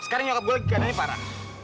sekarang nyokap gue lagi keadaannya parah